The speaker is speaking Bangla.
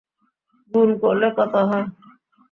গুণ করলে কত হয়?